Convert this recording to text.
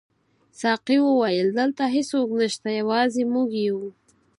ساقي وویل: دلته هیڅوک نشته، یوازې موږ یو.